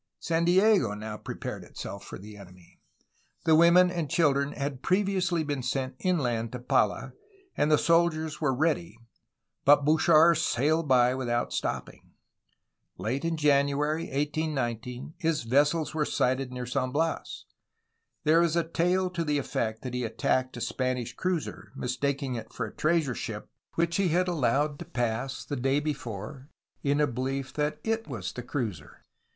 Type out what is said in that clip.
San Diego now prepared itseK for the enemy. The women and children had previously been sent inland to Pala, and the soldiers were ready, — but Bouchard sailed by without stopping. Late in January 1819, his vessels were sighted near San Bias. There is a tale to the effect that he attacked a Spanish cruiser, mistaking it for a treasure ship which he allowed to pass the day before in a belief that it was the cruiser.